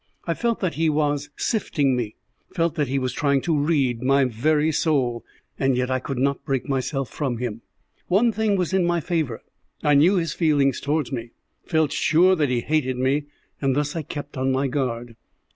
I felt that he was sifting me, felt that he was trying to read my very soul, and yet I could not break myself from him. One thing was in my favour. I knew his feelings towards me, felt sure that he hated me, and thus I kept on my guard.